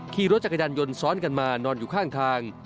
ขี่รถจักรยานยนต์ซ้อนกันมานอนอยู่ข้างทาง